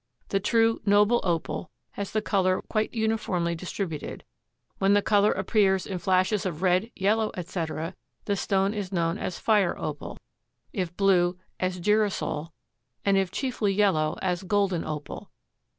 The true noble Opal has the color quite uniformly distributed. When the color appears in flashes of red, yellow, etc., the stone is known as fire Opal; if blue as girasol, and if chiefly yellow as golden Opal.